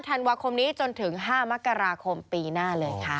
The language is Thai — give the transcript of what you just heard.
ธันวาคมนี้จนถึง๕มกราคมปีหน้าเลยค่ะ